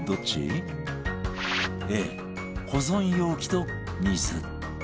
Ａ 保存容器と水